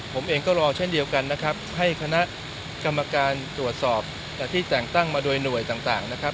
ผมเองก็รอเช่นเดียวกันนะครับให้คณะกรรมการตรวจสอบที่แต่งตั้งมาโดยหน่วยต่างนะครับ